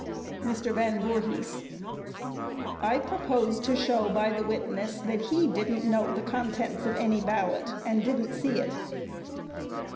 MR. VAN VOORHIS: I propose to show by the witness that he didn't know the contents of any ballot, and didn't see it.